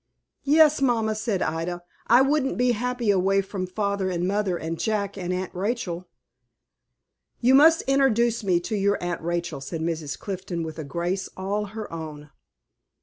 "Yes, mamma," said Ida; "I couldn't be happy away from father and mother and Jack, and Aunt Rachel." "You must introduce me to your Aunt Rachel," said Mrs. Clifton, with a grace all her own.